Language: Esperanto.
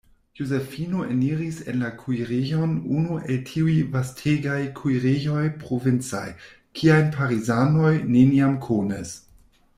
Josefino eniris en la kuirejon, unu el tiuj vastegaj kuirejoj provincaj, kiajn Parizanoj neniam konis.